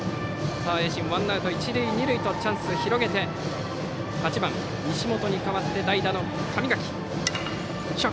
盈進、ワンアウト、一塁二塁とチャンスを広げて８番、西本に代わって代打の神垣。